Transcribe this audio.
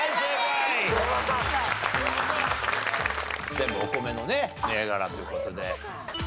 全部お米のね銘柄という事で。